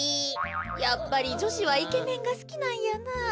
やっぱりじょしはイケメンがすきなんやなあ。